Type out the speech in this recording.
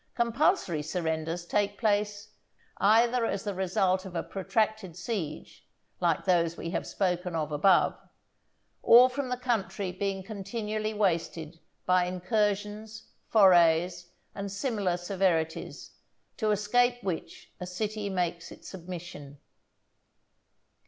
Compulsory surrenders take place, either as the result of a protracted siege, like those we have spoken of above; or from the country being continually wasted by incursions, forays, and similar severities, to escape which a city makes its submission.